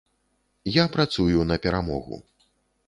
Я працую на перамогу.